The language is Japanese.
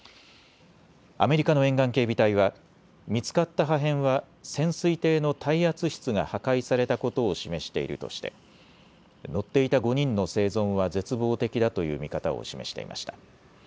アメリカの沿岸警備隊は見つかった破片は潜水艇の耐圧室が破壊されたことを示しているとして乗っていた５人の生存は絶望的だという見方を示していました。